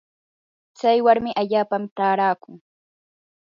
tsay warmi hapallanmi taarakun.